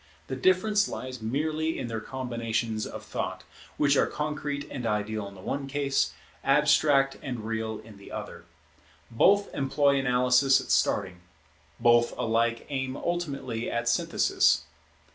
The difference lies merely in their combinations of thought, which are concrete and ideal in the one case, abstract and real in the other. Both employ analysis at starting; both alike aim ultimately at synthesis.